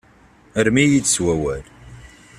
Rrem-iyi-d s wawal.